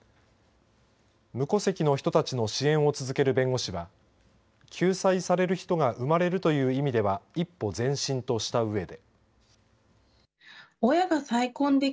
無戸籍の人たちの支援を続ける弁護士は救済される人が生まれるという意味では一歩前進とした上で。